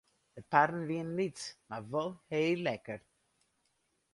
De parren wienen lyts mar wol heel lekker.